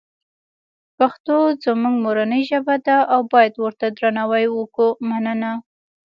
پښتوزموږمورنی ژبه ده اوبایدورته درناوی وکومننه